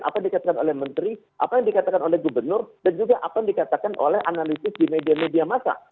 apa yang dikatakan oleh menteri apa yang dikatakan oleh gubernur dan juga apa yang dikatakan oleh analisis di media media masa